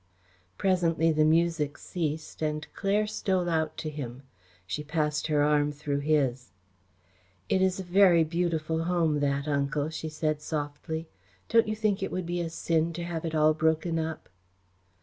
Presently the music ceased and Claire stole out to him. She passed her arm through his. "It is a very beautiful home that, Uncle," she said softly. "Don't you think it would be a sin to have it all broken up?"